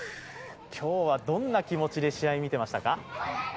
今日はどんな気持ちで試合を見ていましたか？